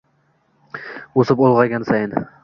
o‘sib ulg‘aygani sayin